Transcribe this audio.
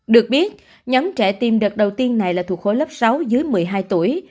được biết nhóm trẻ tiêm đợt đầu tiên này là thuộc khối lớp sáu dưới một mươi hai tuổi